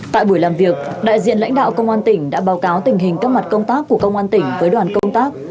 tại buổi làm việc đại diện lãnh đạo công an tỉnh đã báo cáo tình hình các mặt công tác của công an tỉnh với đoàn công tác